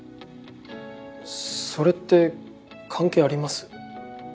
それって関係あります？